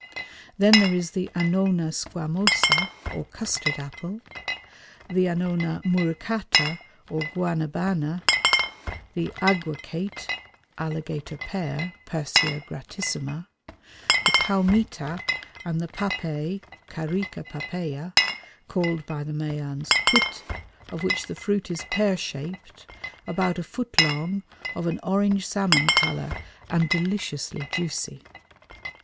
Then there is the Anona squamosa or custard apple, the Anona muricata or guanabana, the aguacate, alligator pear (Persea gratissima), the caumita and the papay (Carica papaya), called by the Mayans put, of which the fruit is pear shaped, about a foot long, of an orange salmon colour and deliciously juicy.